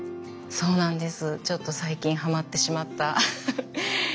そうなんです。